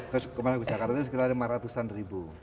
kalau ke jakarta sekitar lima ratus an ribu